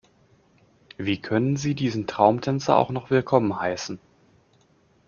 Wie können Sie diesen Traumtänzer auch noch willkommen heißen?